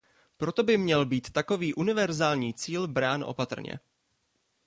Proto by měl být takový univerzální cíl brán opatrně.